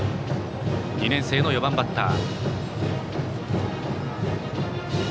２年生の４番バッター。